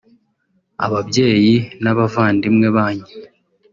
ababyeyi n’abavandimwe banyu